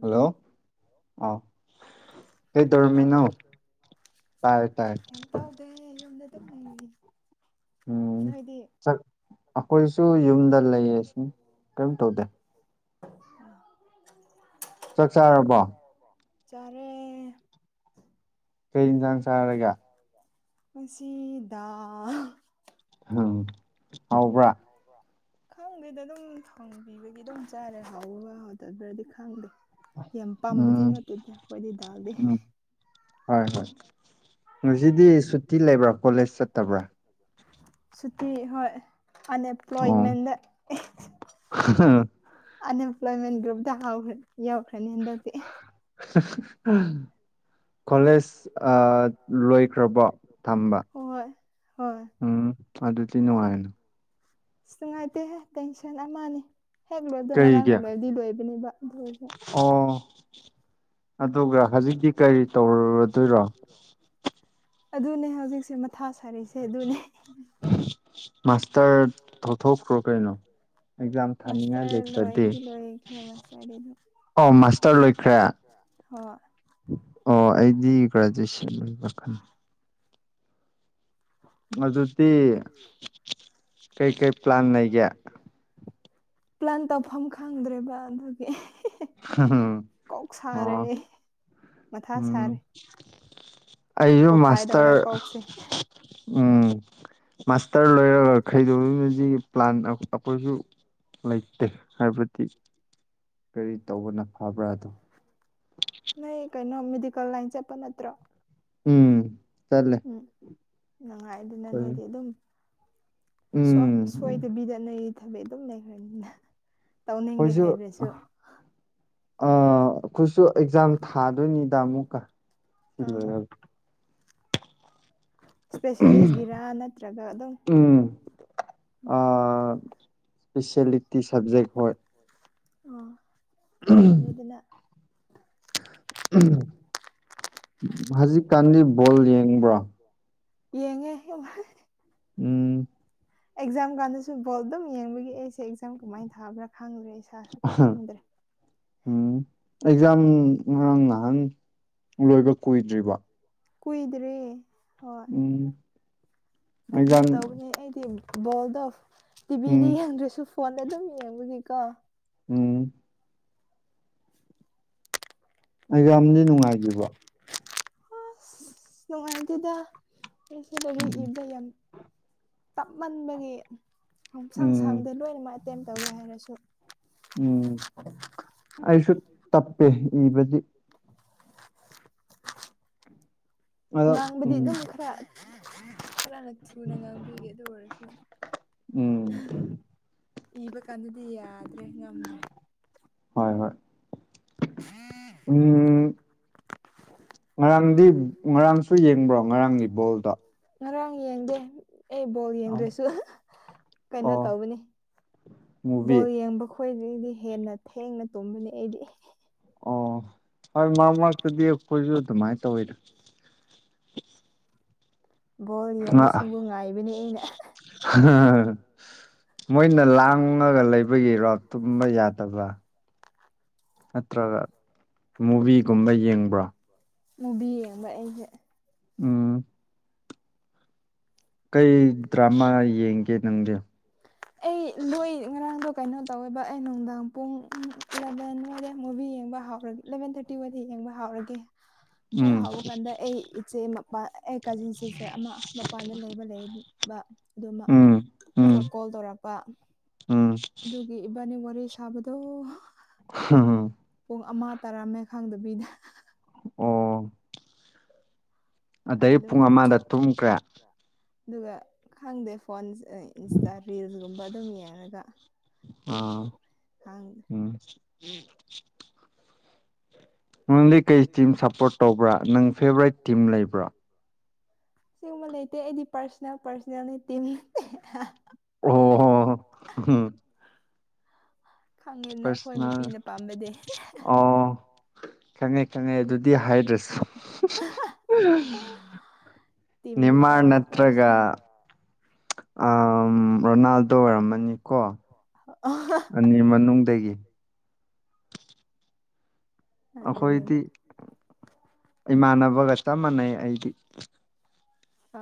Hello ꯑꯣ ꯀꯩꯗꯧꯔꯝꯃꯤꯅꯣ꯫ ꯀꯩꯝ ꯇꯧꯗꯦ ꯌꯨꯝꯗ ꯑꯗꯨꯝ ꯂꯩꯌꯦ ꯅꯣꯏꯗꯤ꯫ ꯑꯩꯈꯣꯏꯁꯨ ꯌꯨꯝꯗ ꯂꯩꯌꯦ ꯁꯨꯝ ꯀꯔꯤꯝ ꯇꯧꯗꯦ꯫ [inaudible] ꯆꯥꯛ ꯆꯥꯔꯕꯣ꯫ ꯆꯥꯔꯦ꯫ ꯃꯁꯤꯗ꯫ ꯎꯝ ꯍꯥꯎꯕ꯭ꯔꯥ꯫ ꯈꯪꯗꯦꯗ ꯑꯗꯨꯝ ꯊꯣꯡꯕꯤꯕꯒꯤ ꯑꯗꯨꯝ ꯆꯥꯔꯦꯗ꯫ ꯍꯧꯕꯔꯥ ꯍꯧꯇꯕꯔ꯭ꯗꯤ ꯈꯪꯗꯦ ꯌꯥꯝ ꯄꯥꯝꯕꯗꯤ ꯅꯠꯇꯦꯗ ꯑꯩꯈꯣꯏꯗꯤ ꯗꯥꯜꯗꯤ꯫ ꯍꯣꯏ ꯍꯣꯏ ꯉꯁꯤꯗꯤ ꯁꯨꯇꯤ ꯂꯩꯕ꯭ꯔꯥ ꯀꯣꯂꯦꯖ ꯆꯠꯇꯕ꯭ꯔꯥ꯫ ꯁꯨꯇꯤ ꯍꯣꯏ ꯑꯟꯑꯦꯝꯄ꯭ꯂꯣꯏꯃꯦꯟꯅꯦ꯫ ꯑꯟꯑꯦꯝꯄ꯭ꯂꯣꯏꯃꯦꯟ ꯒ꯭ꯔꯨꯞꯇ ꯍꯞ ꯌꯥꯎꯈ꯭ꯔꯅꯤ ꯍꯟꯗꯛꯇꯤ꯫ ꯀꯣꯂꯦꯖ꯫ ꯑꯥ ꯂꯣꯏꯈ꯭ꯔꯕꯣ ꯊꯝꯕ꯫ ꯎꯝ ꯑꯗꯨꯗꯤ ꯅꯨꯡꯉꯥꯏꯔꯦ꯫ ꯑꯁ ꯅꯨꯡꯉꯥꯏꯇꯦꯍꯦ ꯇꯦꯟꯁꯟ ꯑꯃꯅꯤ ꯍꯦꯛ ꯂꯣꯏꯕꯗꯣ ꯉꯔꯥꯡꯅ ꯂꯣꯏꯔꯗꯤ ꯂꯣꯏꯕꯅꯦꯕ ꯑꯗꯨ ꯑꯣꯏꯔꯁꯨ꯫ ꯑꯣ ꯑꯗꯨꯒ ꯍꯧꯖꯤꯛꯇꯤ ꯀꯔꯤ ꯇꯧꯔꯔꯣꯗꯣꯏꯔꯣ꯫ ꯑꯗꯨꯅꯦ ꯍꯧꯖꯤꯛꯁꯦ ꯃꯊꯥ ꯁꯥꯔꯤꯁꯦ ꯑꯗꯨꯅꯦ꯫ ꯃꯥꯁꯇꯔ ꯇꯧꯊꯣꯛꯈ꯭ꯔꯣ ꯀꯩꯅꯣ꯫ ꯑꯦꯛꯖꯥꯝ ꯊꯥꯅꯤꯡꯉꯥꯏ ꯂꯩꯇ꯭ꯔꯗꯤ꯫ ꯑꯣ ꯃꯥꯁꯇꯔ ꯂꯣꯏꯈ꯭ꯔꯦ ꯑꯣ ꯑꯩꯗꯤ ꯒ꯭ꯔꯦꯖꯨꯑꯦꯁꯟ꯫ ꯈꯜꯂꯤ꯫ ꯑꯗꯨꯗꯤ ꯀꯩꯀꯩ ꯄ꯭ꯂꯥꯟ ꯂꯩꯒꯦ꯫ ꯄ꯭ꯂꯥꯟ ꯇꯧꯐꯝ ꯈꯪꯗ꯭ꯔꯦꯕ ꯑꯗꯨꯒꯤ꯫ ꯀꯣꯛ ꯁꯥꯔꯦ ꯃꯊꯥ ꯁꯥꯔꯦ꯫ ꯑꯩꯁꯨ ꯃꯥꯁꯇꯔ ꯎꯝ꯫ ꯃꯥꯁꯇꯔ ꯂꯣꯏꯔꯒ ꯈꯩꯗꯣꯛ ꯃꯁꯤ ꯄ꯭ꯂꯥꯟ ꯑꯩꯈꯣꯏꯁꯨ ꯂꯩ꯫ ꯍꯥꯏꯕꯗꯤ ꯀꯔꯤ ꯇꯧꯕꯅ ꯐꯕ꯭ꯔꯥꯗꯣ꯫ ꯅꯣꯏ ꯀꯩꯅꯣ ꯃꯦꯗꯤꯀꯦꯜ ꯂꯥꯏꯟ ꯆꯠꯄ ꯅꯠꯇ꯭ꯔꯣ꯫ ꯎꯝ꯫ ꯎꯝ ꯅꯨꯡꯉꯥꯏ ꯑꯗꯨꯅ ꯅꯣꯏꯗꯤ ꯑꯗꯨꯝ꯫ ꯁꯣꯏꯗꯕꯤꯗ ꯅꯣꯏꯒꯤ ꯊꯕꯛ ꯑꯗꯨꯝ ꯂꯩꯈ꯭ꯔꯅꯤꯅ꯫ ꯑꯩꯈꯣꯏꯁꯨ ꯑ꯫ ꯑꯩꯈꯣꯏꯠꯁꯨ ꯑꯦꯛꯖꯥꯝ ꯊꯥꯗꯣꯏꯅꯤꯗ ꯑꯃꯨꯛꯀ ꯁꯤ ꯂꯣꯏꯔꯒ꯫ ꯏꯁꯄꯦꯁꯦꯂꯤꯁꯀꯤꯔꯥ ꯅꯠꯇ꯭ꯔꯒ ꯑꯗꯨꯝ꯫ ꯎꯝ꯫ ꯑ ꯏꯁꯄꯤꯦꯁꯤꯌꯦꯂꯤꯇꯤ ꯁꯕꯖꯦ ꯍꯣꯏ꯫ ꯑꯣ ꯐꯔꯦꯗꯅꯥ꯫ ꯍꯧꯖꯤꯛꯀꯥꯟꯗꯤ ꯕꯣꯜ ꯌꯦꯡꯕ꯭ꯔꯣ꯫ ꯌꯦꯡꯉꯦ꯫ ꯎꯝ꯫ ꯑꯦꯛꯖꯥꯝ ꯀꯥꯟꯗꯁꯨ ꯕꯣꯜ ꯑꯗꯨꯝ ꯌꯦꯡꯕꯒꯤ ꯑꯩꯁꯦ ꯑꯦꯛꯖꯥꯝ ꯀꯃꯥꯏꯅ ꯊꯥꯕ꯭ꯔꯥ ꯈꯪꯗ꯭ꯔꯦ ꯑꯩ꯫ ꯎꯝ ꯑꯦꯛꯖꯥꯝ ꯉꯔꯥꯡ ꯅꯍꯥꯟ꯫ ꯂꯣꯏꯕ ꯀꯨꯏꯗ꯭ꯔꯤꯕꯣ꯫ ꯀꯨꯏꯗ ꯔꯦ ꯍꯣꯏ ꯎꯝ ꯀꯩꯅꯣ ꯇꯧꯅꯤ ꯑꯩꯗꯤ ꯕꯣꯜꯗ ꯑꯣꯐ ꯇꯤꯚꯤꯗ ꯌꯦꯡꯗ꯭ꯔꯁꯨ ꯐꯣꯟꯗ ꯑꯗꯨꯝ ꯌꯦꯡꯉꯨꯒꯤꯀꯣ ꯎꯝ ꯑꯩ ꯌꯥꯝꯗꯤ ꯅꯨꯡꯉꯥꯏꯖꯕ ꯑꯁ ꯅꯨꯡꯉꯥꯏꯇꯦꯗ ꯑꯩꯁꯨ ꯑꯗꯨ ꯏꯕꯗ ꯌꯥꯝ ꯇꯞꯃꯟꯕꯒꯤ ꯁꯪ ꯁꯥꯡꯗ ꯂꯣꯏꯅꯃꯛ ꯑꯦꯇꯦꯝ ꯇꯧꯋꯦ ꯍꯥꯏꯔꯁꯨ ꯎꯝ ꯑꯩꯁꯨ ꯇꯞꯄꯦ ꯏꯕꯗꯤ ꯑꯉꯥꯡꯕꯗꯤ ꯑꯗꯨꯝ ꯈꯔ ꯀꯔꯅ ꯊꯨꯅ ꯉꯥꯡꯕꯤꯒꯦ ꯑꯗꯨ ꯑꯣꯏꯔꯁꯨ ꯏꯕ ꯀꯥꯟꯗꯨꯗꯤ ꯌꯥꯗ꯭ꯔꯦ ꯉꯝꯗ꯭ꯔꯦ ꯍꯣꯏ ꯍꯣꯏ ꯍꯥꯝ ꯎꯝ ꯉꯔꯥꯡꯗꯤ ꯉꯔꯥꯡꯁꯨ ꯌꯦꯡꯕ꯭ꯔꯣ ꯉꯔꯥꯡꯒꯤ ꯕꯣꯜꯗꯣ ꯉꯔꯥꯡ ꯌꯦꯡꯗꯦ ꯑꯦ ꯕꯣꯜ ꯌꯦꯡꯗꯣꯏꯁꯨ ꯀꯩꯅꯣ ꯇꯧꯕꯅꯤ ꯕꯣꯜ ꯌꯦꯡꯕ ꯑꯩꯈꯣꯏꯗꯒꯤꯗꯤ ꯍꯦꯟꯅ ꯊꯦꯡꯅ ꯇꯨꯝꯕꯅꯤ ꯑꯩꯗꯤ ꯍꯣꯏ ꯃꯥ ꯃꯛꯇꯗꯤꯛꯄꯣꯏꯁꯨ ꯑꯗꯨꯃꯥꯏꯅ ꯇꯧꯋꯤꯗꯣ ꯕꯣꯜ ꯌꯦꯡꯕꯁꯤꯡꯕꯨ ꯉꯥꯏꯕꯅꯤ ꯑꯩꯅ ꯎꯝ ꯃꯣꯏꯅ ꯂꯥꯡꯉꯒ ꯂꯩꯕꯒꯤ ꯔꯣꯠ ꯇꯨꯝꯕ ꯌꯥꯗꯕ꯭ꯔ ꯅꯠꯇ꯭ꯔꯒ ꯃꯨꯚꯤꯒꯨꯝꯕ ꯌꯦꯡꯕ꯭ꯔꯥ ꯃꯨꯚ ꯌꯦꯡꯕ ꯑꯩꯁꯦ ꯎꯝ ꯀꯩ ꯗ꯭ꯔꯃꯥ ꯌꯦꯡꯒꯦ ꯅꯪꯗꯤ [inaudible] ꯑꯩ ꯂꯣꯏ ꯉꯔꯥꯡꯗꯣ ꯀꯩꯅꯣ ꯇꯧꯋꯦꯕ ꯑꯩ ꯅꯨꯡꯗꯥꯡ ꯄꯨꯡ ꯂꯕꯦꯟ ꯅꯋꯥꯏꯔꯦ ꯃꯨꯚꯤ ꯌꯦꯡꯕ ꯍꯧꯥꯎꯔꯒꯦ ꯂꯂꯦꯚꯦꯟ ꯊꯥꯔꯇꯤ ꯋꯥꯗꯤ ꯌꯦꯡꯕ ꯍꯥꯎꯔꯒꯦ ꯍꯦꯛ ꯍꯥꯎꯕ ꯀꯥꯟꯗ ꯑꯩ ꯏꯆꯦ ꯃꯄꯥꯟ ꯑꯩ ꯀꯥꯖꯤꯟ ꯁꯤꯁꯇꯔ ꯑꯃ ꯃꯄꯥꯟꯗ ꯂꯩꯕ ꯂꯩ ꯑꯗꯨꯃ ꯑꯃꯨꯛꯀ ꯀꯣꯜ ꯇꯧꯔꯛꯄ ꯑꯗꯨ ꯏꯕꯥꯅꯤ ꯋꯥꯔꯤ ꯁꯥꯕꯗꯣ ꯍꯝ ꯄꯨꯡ ꯑꯃ ꯇꯔꯥꯃꯈꯥꯡꯗꯕꯤꯗ ꯑꯣ ꯑꯗꯩ ꯄꯨꯡ ꯑꯃꯗ ꯇꯨꯝꯈ꯭ꯔꯦ ꯑꯗꯨꯒ ꯈꯪꯗꯦ ꯐꯣꯟ ꯏꯟꯁꯇꯥ ꯔꯤꯜꯁꯀꯨꯝꯕ ꯑꯗꯨꯝ ꯌꯦꯡꯉꯒ ꯑꯥ ꯎꯝ ꯅꯪꯗꯤ ꯀꯩ ꯇꯤꯝ ꯁꯞꯄꯣꯔꯠ ꯇꯧꯕ꯭ꯔꯥ ꯅꯪ ꯐꯦꯚꯣꯔꯥꯏꯠ ꯇꯤꯝ ꯂꯩꯕ꯭ꯔꯥ ꯁꯤꯒꯨꯝꯕ ꯂꯩꯇꯦ ꯑꯩꯗꯤ ꯄꯔꯁꯅꯦꯜ ꯄꯔꯁꯅꯦꯜꯅꯤ ꯇꯤꯝ ꯑꯣ ꯍꯣ ꯎꯝ ꯈꯪꯉꯦ ꯅ ꯑꯩꯈꯣꯏ ꯅꯨꯄꯤꯅ ꯄꯥꯝꯕꯗꯤ ꯑ ꯈꯪꯉꯦ ꯈꯪꯉꯦ ꯑꯗꯨꯗꯤ ꯍꯥꯏꯗ꯭ꯔꯁꯨ ꯅꯤꯡꯃꯅ ꯅꯠꯇ꯭ꯔꯒ ꯑ ꯔꯣꯅꯥꯜꯗꯣ ꯑꯣꯏꯔꯝꯃꯅꯤꯀꯣ ꯑꯅꯤ ꯃꯅꯨꯡꯗꯒꯤ ꯑꯩꯈꯣꯏꯗꯤ ꯏꯃꯥꯟꯅꯕꯒ ꯆꯞ ꯃꯥꯟꯅꯩ ꯑꯩꯗꯤ ꯥ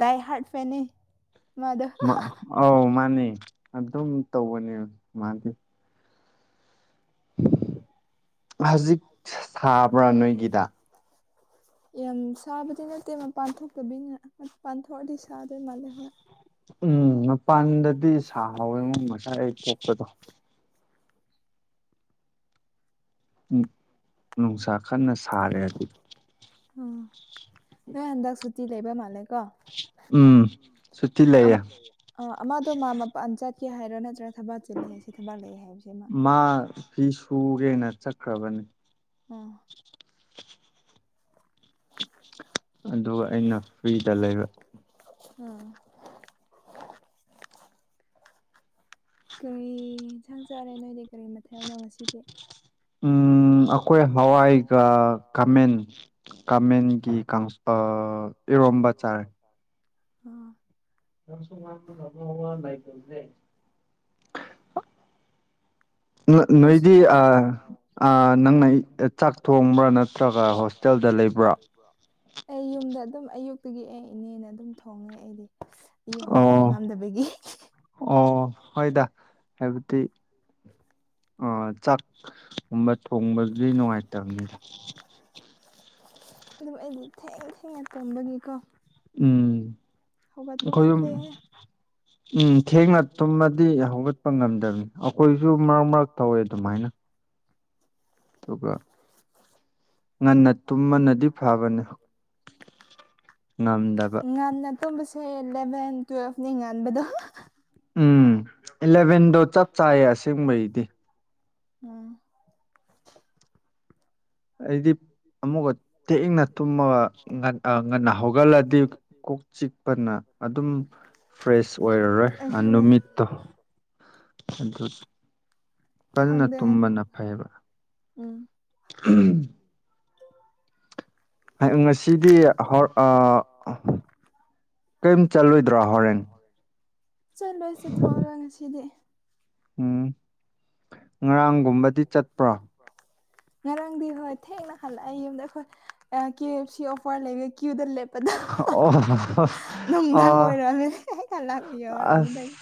ꯗꯏ ꯍꯥꯠ ꯐꯦꯅꯤ ꯑꯧ ꯃꯥꯅꯦ ꯑꯗꯨꯝ ꯇꯧꯕꯅꯦ ꯃꯥꯗꯤ ꯍꯧꯖꯤꯛ ꯁꯥꯕ꯭ꯔꯥ ꯅꯣꯏꯒꯤꯗ [inaudible] ꯌꯥꯝ ꯁꯥꯕꯗꯤ ꯅꯠꯇꯦ ꯃꯄꯥꯟ ꯊꯣꯛꯇꯕꯤꯅ ꯄꯥꯟꯊꯣꯛꯑꯗꯤ ꯁꯥꯗꯣꯏ ꯃꯥꯜꯂꯦ ꯍꯣꯏ ꯎꯝ ꯃꯄꯥꯟꯗꯗꯤ ꯁꯥꯍꯥꯎꯋꯦꯉꯝ ꯉꯁꯥꯏ ꯑꯩ ꯄꯣꯛꯄꯗꯣ ꯅꯨꯡꯁꯥ ꯈꯟꯅ ꯁꯥꯔꯦ ꯑꯗꯨꯗꯤ ꯑꯣ ꯅꯣꯏ ꯍꯟꯗꯛ ꯁꯨꯇꯤ ꯂꯩꯕ ꯃꯥꯜꯂꯦ ꯀꯣ ꯎꯝ ꯁꯇꯤ ꯂꯩꯌꯦ ꯑ ꯑꯃꯗꯣ ꯃꯥ ꯃꯄꯥꯟ ꯆꯠꯀꯦ ꯍꯥꯏꯔꯣ ꯅꯠꯇ꯭ꯔꯥ ꯊꯕꯜ ꯆꯠꯂꯦ ꯍꯥꯏꯁꯦ ꯊꯕꯕꯥꯜ ꯂꯩꯥꯛꯑꯦ ꯍꯥꯏꯕꯁꯤꯃ ꯃꯥ ꯐꯤ ꯁꯒꯦꯅ ꯆꯠꯈ꯭ꯔꯕꯅꯤ ꯎꯝ ꯑꯗꯨ ꯑꯩꯅ ꯐ꯭ꯔꯤꯗ ꯂꯩꯕ ꯎꯝ ꯀꯔꯤ ꯏꯟꯁꯥꯡ ꯆꯥꯔꯦ ꯅꯣꯏꯗꯤ ꯀꯔꯤ ꯃꯊꯦꯜꯅꯣ ꯉꯁꯤꯗꯤ ꯎꯝ ꯑꯩꯈꯣꯏ ꯍꯋꯥꯏꯒ ꯈꯥꯃꯦꯟ ꯀꯥꯃꯦꯟꯒꯤ ꯏꯔꯣꯝꯕ ꯆꯥꯔꯦ ꯁꯨ ꯂꯒꯅꯦ ꯅꯣꯏꯗꯤ ꯅꯪꯅ ꯆꯥꯛ ꯊꯣꯡꯕ꯭ꯔꯥ ꯅꯠꯇ꯭ꯔꯒ ꯍ ꯍꯣꯁꯇꯦꯜꯗ ꯂꯩꯕ꯭ꯔꯥ ꯑꯩ ꯌꯨꯝꯗ ꯑꯗꯨꯝ ꯑꯌꯨꯛꯇꯨꯒꯤ ꯑꯦ ꯏꯅꯦꯅ ꯑꯗꯨꯝ ꯊꯣꯡꯉꯦ ꯑꯩꯗꯤ ꯏꯨ ꯍꯧꯒꯠꯄ ꯉꯝꯗꯕꯒꯤ ꯑꯣ ꯍꯣꯏꯗ ꯍꯥꯏꯕꯗꯤ ꯑ ꯆꯥꯛꯒꯨꯝꯕ ꯊꯣꯡꯕꯗꯨꯗꯤ ꯅꯨꯡꯉꯥꯏꯇꯕꯅꯤꯗ ꯑꯗꯨꯕꯨ ꯑꯩꯗꯤ ꯊꯦꯡ ꯊꯦꯡꯅ ꯇꯣꯝꯕꯒꯤꯀꯣ ꯎꯝ ꯍꯧꯒꯠꯄ ꯉꯝꯗꯦ ꯎꯝ ꯏꯁꯩ ꯃ ꯃꯥꯗꯤ ꯍꯧꯗ ꯑꯩꯈꯣꯏꯁꯨ ꯃꯥ ꯃꯥ ꯇꯋ ꯑꯗꯨꯒ ꯉꯟꯅ ꯇꯨꯝꯃꯅꯗꯤ ꯐꯕꯅꯦ ꯉꯝꯗꯕ ꯇꯣꯝꯕꯁꯦ ꯏꯂꯚꯦꯟ ꯇꯨꯋꯦꯜꯐꯅꯤ ꯉꯟꯥꯟꯕꯗꯣ ꯎꯝ ꯏꯂꯚꯦꯟꯗꯣ ꯆꯞ ꯆꯥꯌꯦ ꯑꯁꯦꯡꯕꯩꯗꯤ ꯎꯝ ꯑꯩꯗꯤ ꯑꯃꯨꯛꯀ ꯇꯦꯡꯅ ꯇꯨꯝꯃꯒ ꯉꯟꯅ ꯍꯧꯒꯠꯂꯗꯤ ꯀꯣꯛ ꯆꯤꯛꯄꯅ ꯑꯗꯨꯝ ꯐ꯭ꯔꯦꯁ ꯑꯣꯏꯔꯔꯣꯏ ꯅꯨꯃꯤꯠ ꯍ ꯈꯪꯗꯦ ꯍꯥꯏ ꯄꯥꯎ ꯎꯝ ꯎꯝ ꯉꯁꯤꯗꯤ ꯀꯔꯤꯝ ꯆꯠꯂꯣꯏꯗ꯭ꯔꯣ ꯍꯣꯔꯦꯟ ꯆꯠꯂꯣꯏ ꯆꯠꯊꯣꯛꯑꯔꯣꯢ ꯉꯁꯤꯗꯤ ꯎꯝ ꯉꯥꯡꯒꯨꯝꯕꯗꯤ ꯆꯠꯄ꯭ꯔ ꯉꯔꯥꯡꯗꯤ ꯍꯣꯏ ꯊꯦꯡꯅ ꯍꯜꯂꯛꯑ ꯑꯩ ꯌꯨꯝꯗ ꯑꯩꯈꯣꯏ ꯀ꯭ꯌꯨ ꯑꯦꯐ ꯁꯤ ꯑꯣꯐꯔ ꯂꯩꯕꯒꯦ ꯀ꯭ꯌꯨꯗꯞ ꯅꯨꯡꯗꯥꯡ ꯑꯣꯏꯔꯃꯦ ꯂꯥꯛꯄꯤ ꯌꯧꯔꯛꯑꯅꯤꯗ [inaudible]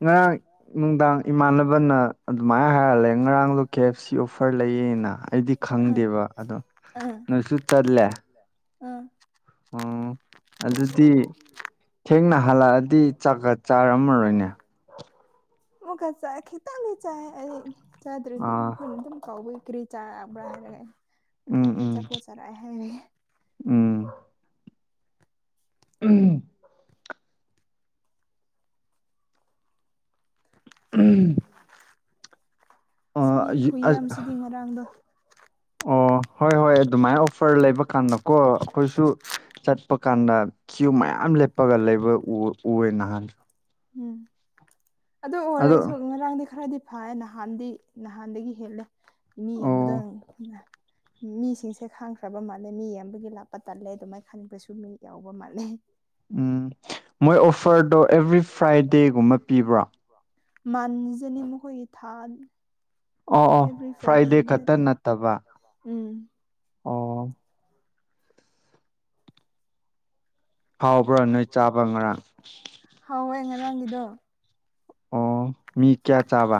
ꯉꯔꯥꯡ ꯅꯨꯡꯗꯥꯡ ꯏꯃꯥꯟꯅꯕꯅ ꯑꯗꯨꯃꯥꯏꯅ ꯍꯥꯏꯔꯜꯂꯦ ꯉꯔꯥꯡ ꯂꯨꯈꯤ ꯁꯤ ꯑꯣꯐꯔ ꯂꯩꯌꯦꯅ ꯑꯩꯗꯤ ꯈꯪꯗꯦꯕ ꯑꯗꯣ ꯅꯣꯏꯁꯨ ꯆꯠꯂꯦ ꯑꯣ ꯑꯗꯨꯗꯤ ꯊꯦꯡꯅ ꯍꯜꯂꯛꯑꯗꯤ ꯆꯥꯛꯀ ꯆꯥꯔꯝꯃꯔꯣꯏꯅꯦ ꯃꯒꯁꯥꯏꯈꯤ ꯈꯤꯇꯪꯗꯤ ꯆꯥꯏ ꯑꯩ ꯆꯥꯗ꯭ꯔꯗꯤ ꯃꯈꯈꯣꯏꯅ ꯑꯗꯨꯝ ꯀꯥꯎꯋ ꯀꯔꯤ ꯆꯥꯕ꯭ꯔꯥ ꯍꯥꯏꯔꯒ ꯑꯩ ꯃꯄꯥꯟꯗ ꯆꯥꯄꯣꯠ ꯆꯥꯔꯑꯑꯦ ꯍꯥꯏ ꯎꯝ [unintelligible] ꯏꯁ ꯃꯤ ꯈꯨꯌꯥꯝꯁꯤꯗꯤ ꯉꯔꯥꯡꯗꯣ ꯑꯣ ꯍꯣꯏ ꯍꯣꯏ ꯑꯗꯨꯃꯥꯏꯅ ꯑꯣꯐꯔ ꯂꯩꯕ ꯀꯥꯟꯗꯀꯣ ꯑꯩꯈꯣꯏꯁꯨ ꯆꯠꯄ ꯀꯥꯟꯗ ꯆꯌꯨꯝ ꯃꯌꯥꯝ ꯂꯦꯞꯄꯒ ꯂꯩꯕ ꯎ ꯎꯋꯦ ꯅꯍꯥꯟ ꯎꯝ ꯑꯗꯨ ꯑꯣꯏꯔꯁꯨ ꯉꯔꯥꯡꯗꯤ ꯈꯔꯗꯤ ꯐꯥꯏ ꯅꯍꯥꯟꯗꯤ ꯅꯍꯥꯟꯗꯒꯤ ꯍꯦꯜꯂꯦ ꯃꯤ ꯌꯥꯝꯕꯗꯪ ꯅ ꯃꯤꯁꯤꯡꯁꯦ ꯈꯥꯡꯈ꯭ꯔꯕ ꯃꯥꯜꯂꯦ ꯃꯤ ꯌꯦꯡꯕꯒꯤ ꯂꯥꯞꯄ ꯇꯜꯂꯦ ꯑꯗꯨꯃꯥꯏꯅ ꯈꯪꯅꯤꯡꯕꯁꯨ ꯃꯤ ꯌꯥꯎꯕ ꯃꯥꯜꯂꯦ ꯎꯝ ꯃꯣꯏ ꯑꯣꯐꯔꯗꯣ ꯑꯦꯕ꯭ꯔꯤ ꯐ꯭ꯔꯥꯏꯗꯦꯒꯨꯝꯕ ꯄꯤꯕ꯭ꯔꯣ ꯃꯥꯟꯖꯅꯤ ꯃꯈꯣꯏꯒꯤ ꯊꯥ ꯑꯦꯕ꯭ꯔꯤ ꯐ꯭ꯔꯥꯏꯗꯦꯒꯨꯝꯕ ꯅꯠꯇꯦ [unintelligible] ꯎꯝ ꯍꯥꯎꯕ꯭ꯔꯥ ꯅꯣꯏ ꯆꯥꯕ ꯉꯔꯥꯡ ꯑꯣ ꯃꯤ ꯀꯌꯥ ꯆꯥꯕ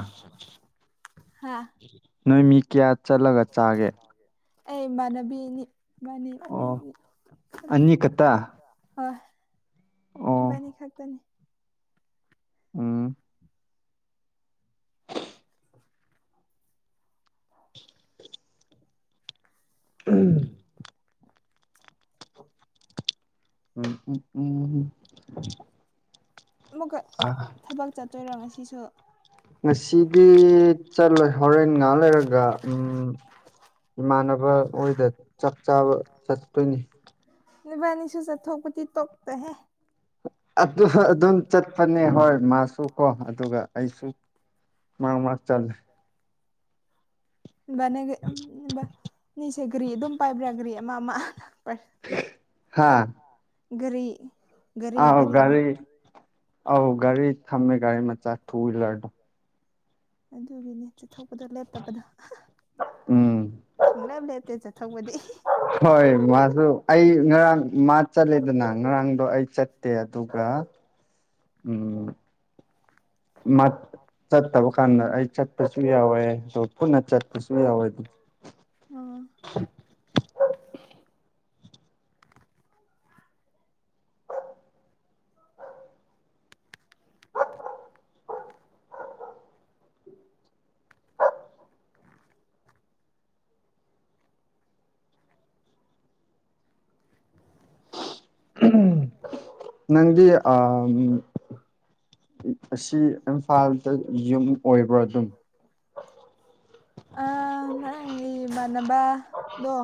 ꯅꯣꯏ ꯃꯤ ꯀꯌꯥ ꯆꯠꯂꯒ ꯆꯥꯒꯦ ꯑꯩ ꯏꯃꯥꯅꯕꯤꯅꯤ ꯑꯅꯤ [unintelligible] ꯍꯣꯏ ꯏꯕꯥꯅꯤ ꯈꯛꯇꯅꯤ ꯎꯝ [inaudible] [unintelligible] [inaudible] [unintelligible] ꯑꯃꯨꯛꯀ ꯑ ꯊꯕꯛ ꯆꯠꯇꯣꯏꯔꯣ ꯉꯁꯤꯁꯨ ꯉꯁꯤꯗꯤ ꯆꯠꯂꯣꯏ ꯍꯣꯔꯦꯟ ꯉꯥ ꯂꯩꯔꯒ ꯎꯝ ꯏꯃꯥꯟꯅꯕ ꯍꯣꯏꯗ ꯆꯥꯛ ꯆꯥꯕ ꯆꯠꯇꯣꯏꯅꯤ ꯅꯨꯕꯥꯅꯤꯁꯨ ꯆꯠꯊꯣꯛꯄꯗꯤ ꯇꯣꯛꯇꯍꯦ ꯑꯗꯨ ꯑꯗꯨꯝ ꯆꯠꯄꯅꯦ ꯍꯣꯏ ꯃꯥꯁꯨ ꯀꯣ ꯑꯗꯨꯒ ꯑꯩꯁꯨ ꯃꯥꯥꯔꯛ ꯃꯥꯥꯔꯛ ꯆꯠꯂꯦ [unintelligible] [unintelligible] ꯒ꯭ꯔꯤ ꯑꯗꯨꯝ ꯄꯥꯏꯕ꯭ꯔꯥ ꯒꯔꯤ ꯑꯃ ꯑꯃ ꯍꯥꯥ ꯒꯔꯤ ꯑꯥꯎ ꯒꯥꯔꯤ ꯑꯥꯎ ꯒꯥꯔꯤ ꯊꯝꯃꯦ ꯒꯥꯔꯤ ꯃꯆꯥ ꯇꯨ ꯍ꯭ꯋꯤꯂꯔꯗꯣ ꯑꯗꯨꯒꯤꯅꯦ ꯆꯠꯊꯣꯛꯄꯗꯣ ꯂꯦꯞꯇꯕꯗꯣ ꯎꯝ ꯁꯨꯡꯂꯦꯞ ꯂꯦꯞꯇꯦ ꯆꯠꯊꯧꯕꯗꯤ [unintelligible] ꯍꯣꯏ ꯃꯥꯁꯨ ꯑꯩ ꯉꯔꯥꯡ ꯃꯥ ꯆꯠꯂꯤꯦꯗꯅ ꯉꯔꯥꯡꯗꯣ ꯑꯩ ꯆꯠ ꯇꯦ ꯑꯗꯨꯒ ꯃꯥ ꯆꯠꯇꯕ ꯀꯥꯟꯗ ꯑꯩ ꯆꯠꯄꯁꯨ ꯌꯥꯎꯋꯦ ꯑꯗꯣ ꯄꯨꯟꯅ ꯆꯠꯄꯁꯨ ꯌꯥꯎꯋꯦ ꯑꯗꯨ ꯑꯣ [inaudible] ꯅꯪꯗꯤ ꯑꯝ ꯑꯁꯤ ꯏꯝꯐꯥꯜꯗ ꯌꯨꯝ ꯑꯣꯏꯕ꯭ꯔꯥ ꯑꯗꯨꯝ ꯑ ꯅꯪꯒꯤ ꯏꯃꯥꯟꯅꯕꯗꯣ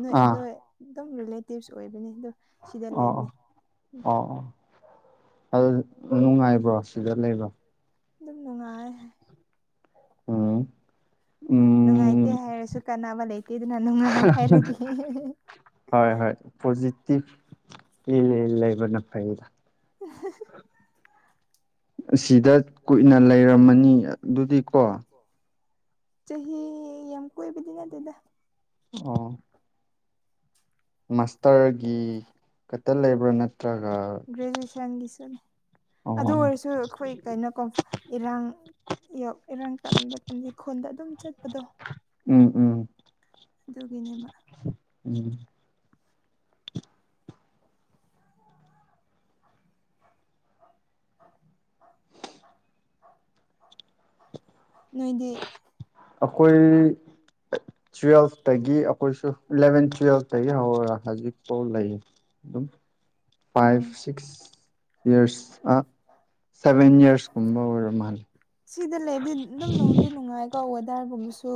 ꯅꯣꯏ ꯑꯗꯨ ꯑꯗꯨꯝ ꯔꯤꯂꯦꯇꯤꯞꯁ ꯑꯣꯏꯕꯅꯤ ꯑꯗꯣ ꯑꯣ ꯑꯣ ꯑꯣ ꯑꯗꯨ ꯅꯨꯡꯉꯥꯏꯕ꯭ꯔꯣ ꯁꯤꯗ ꯂꯩꯕ ꯑꯗꯨꯝ ꯅꯨꯡꯉꯥꯏ ꯎꯝ ꯅꯨꯡꯉꯥꯏꯇꯦ ꯍꯥꯏꯔꯁꯨ ꯀꯥꯟꯅꯕ ꯂꯩꯇꯦ ꯑꯗꯨꯅ ꯅꯨꯡꯉꯥꯏ ꯍꯥꯏꯔꯒꯦ ꯍꯣꯏ ꯍꯣꯏ ꯄꯣꯖꯤꯇꯤꯚ ꯂꯩꯕꯅ ꯐꯩꯗ [unintelligible] ꯑꯁꯤꯗ ꯀꯨꯏꯅ ꯂꯩꯔꯝꯃꯅꯤ ꯑꯗꯨꯗꯤꯀꯣ ꯆꯍꯤ ꯌꯥꯝ ꯀꯨꯏꯕꯗꯤ ꯅꯠꯇꯦꯗ ꯑꯣ ꯃꯥꯁꯇꯔꯒꯤ ꯈꯛꯇ ꯂꯩꯕ꯭ꯔꯥ ꯅꯠꯇ꯭ꯔꯒ ꯒ꯭ꯔꯦꯖꯨꯌꯦꯁꯟꯒꯤ ꯆꯂꯦ ꯑꯗꯨ ꯑꯣꯏꯔꯁꯨ ꯑꯩꯈꯣꯏ ꯀꯩꯅꯣꯀꯣ ꯏꯔꯥꯡ ꯏꯔꯥꯡ ꯀꯥꯟꯕ ꯀꯟꯗꯦ ꯈꯣꯟꯗ ꯑꯗꯨꯝ ꯆꯠꯄꯗꯣ ꯎꯝ ꯎꯝ ꯑꯗꯨꯒꯤꯅꯦꯕ ꯎꯝ [unintelligible] ꯅꯣꯏꯗꯤ ꯑꯈꯣꯏ [unintelligible] ꯇꯨꯋꯦꯜꯐꯇꯒꯤ ꯑꯩꯈꯣꯏꯁꯨ ꯏꯂꯚꯦꯟ ꯇꯨꯋꯦꯜꯐꯇꯒꯤ ꯍꯧꯔꯒ ꯍꯧꯖꯤꯛꯐꯥꯎ ꯂꯩ ꯗꯨꯝ ꯐꯥꯏꯚ ꯁꯤꯛꯁ ꯌꯔꯁ ꯁꯚꯦꯟ ꯌꯔꯁꯀꯨꯝꯕ ꯑꯣꯏꯔ ꯃꯥꯜꯂꯦ ꯁꯤꯗ ꯂꯩꯕꯗꯤ ꯑꯗꯨꯝ ꯅꯨꯡꯗꯤ ꯅꯨꯡꯉꯥꯏꯀꯣ ꯋꯦꯗꯔꯒꯨꯝꯕꯁꯨ